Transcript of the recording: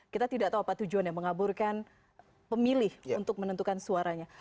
kita tidak tahu apa tujuannya mengaburkan pemilih untuk menentukan suaranya